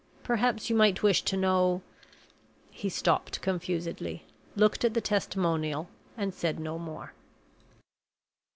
Perhaps you might wish to know " He stopped confusedly, looked at the testimonial, and said no more.